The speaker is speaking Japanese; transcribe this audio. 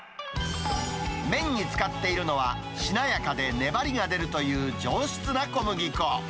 麺に使っているのは、しなやかで粘りが出るという上質な小麦粉。